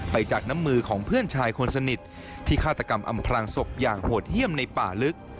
จากน้ำมือของเพื่อนชายคนสนิทที่ฆาตกรรมอำพลังศพอย่างโหดเยี่ยมในป่าลึก